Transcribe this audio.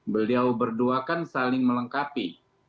beliau berdua kan saling melengkapi